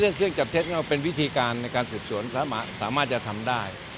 เรื่องเครื่องจับเท็จเป็นวิธีการในการเสร็จส่วนสามารถจะทำได้